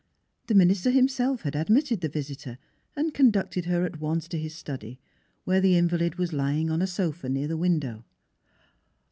The minister himself had admitted the visitor and conducted her at once to his study, where the invalid was lying on a sofa near the window.